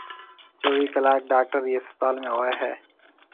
چويھ ڪلاڪ ڊاڪٽر ايئيَ اسپتال ۾ ھوئيَ ھيََََ